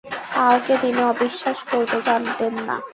কাউকে তিনি অবিশ্বাস করতে জানতেন না।